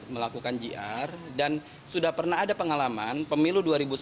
melakukan jr dan sudah pernah ada pengalaman pemilu dua ribu sembilan belas